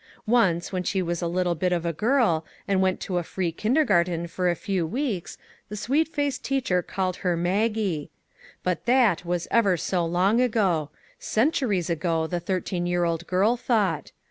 Once, when she was a little bit of a girl, and went to a free kindergarten for a few weeks, the sweet faced teacher called her " Maggie." But that was ever so long ago ; centuries ago the thirteen year old girl thought.